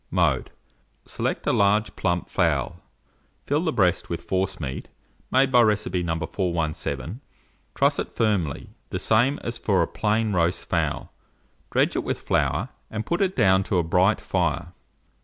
Mode. Select a large plump fowl, fill the breast with forcemeat, made by recipe No. 417, truss it firmly, the same as for a plain roast fowl, dredge it with flour, and put it down to a bright fire.